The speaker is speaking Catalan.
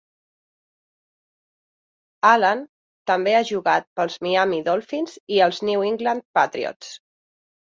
Allen també ha jugat pels Miami Dolphins i els New England Patriots.